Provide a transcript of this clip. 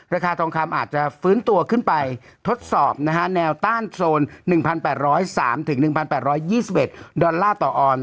ราคาทองคำอาจจะฟื้นตัวขึ้นไปทดสอบแนวต้านโซน๑๘๐๓๑๘๒๑ดอลลาร์ต่อออนด